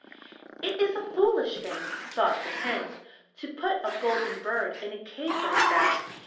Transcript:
"It is a foolish thing," thought the Prince, "to put a golden bird in a cage like that.